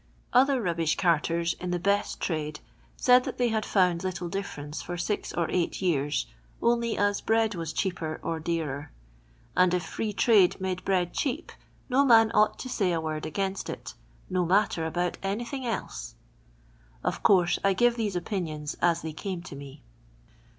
Other rubbish carters, in the best trade, said that they had found little difference for six or eight years, only as bread was cheaper or dearer ; and, if Free Trade made bread cheap, no man ought to say a word against it, " no matter about anything else." Of course I give these opinions as they came to me.